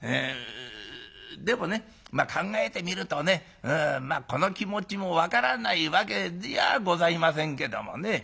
でもねまあ考えてみるとねこの気持ちも分からないわけじゃございませんけどもね。